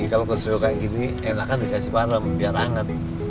kalau keseriusan gini enakan dikasih parem biar anget